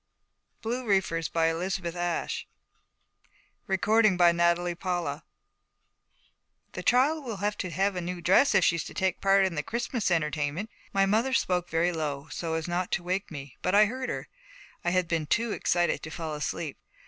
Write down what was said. BLUE REEFERS BY ELIZABETH ASHE 'THE child will have to have a new dress if she's to take part in the Christmas entertainment.' My mother spoke very low, so as not to wake me, but I heard her. I had been too excited to fall asleep.